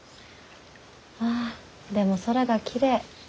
あでも空がきれい。